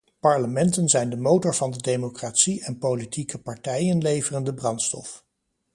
Parlementen zijn de motor van de democratie en politieke partijen leveren de brandstof.